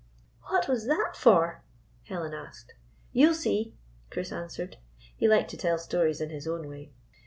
" What was that for ?" Helen asked. "You 'll see," Chris answered. He liked to tell stories in his own way.